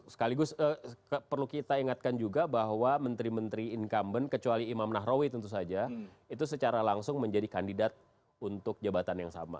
jadi perlu kita ingatkan juga bahwa menteri menteri incumbent kecuali imam nahrawi tentu saja itu secara langsung menjadi kandidat untuk jabatan yang sama